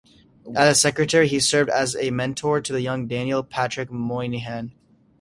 As secretary, he served as a mentor to the young Daniel Patrick Moynihan.